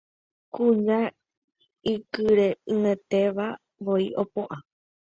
Kuña ikyre'ỹetéva voi opu'ã